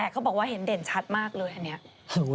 เขาบอกว่าเห็นเด่นชัดมากเลยอันนี้